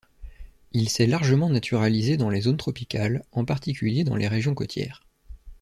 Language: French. Il s’est largement naturalisé dans les zones tropicales, en particulier dans les régions côtières.